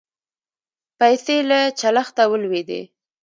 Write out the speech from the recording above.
پیسې له چلښته ولوېدې.